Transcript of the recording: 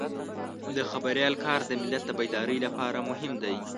د خبریال کار د ملت د بیدارۍ لپاره مهم دی.